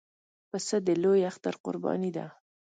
پسه د لوی اختر قرباني ده.